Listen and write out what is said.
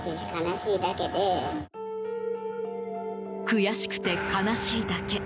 悔しくて悲しいだけ。